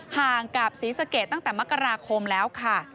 ห่างกับศรีสะเกดตั้งแต่มกราคมแล้วค่ะ